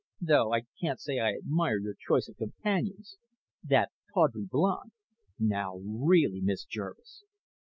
Though I can't say I admire your choice of companions. That tawdry blonde " "Now, really, Miss Jervis!"